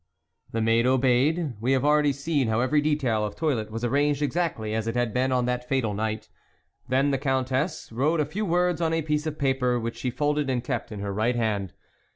The maid obeyed ; we have already seen how every detail of toilet was ar ranged exactly as it had been on that fatal night. Then the Countess wrote a few words on a piece of paper, which she folded and kept in her right hand.